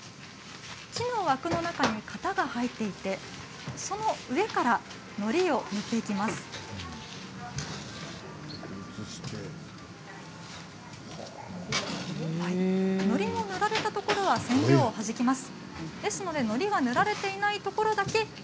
木の枠の中に型が入っていてその上からのりを置いていきます。